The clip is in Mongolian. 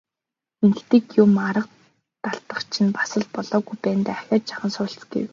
Ингэдэг юм, арга дадлага чинь бас л болоогүй байна даа, ахиад жаахан суралц гэв.